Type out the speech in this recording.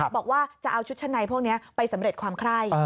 บอกว่าจะเอาชุดชั้นในพวกนี้ไปสำเร็จความไคร่